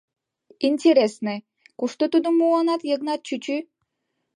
Интересне, кушто тудым муынат, Йыгнат чӱчӱ?